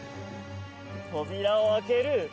扉を開ける。